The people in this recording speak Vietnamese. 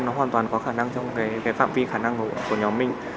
nó hoàn toàn có khả năng trong cái phạm vi khả năng của nhóm minh